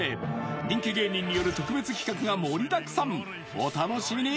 人気芸人による特別企画が盛りだくさんお楽しみに